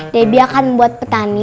debbie akan membuat petani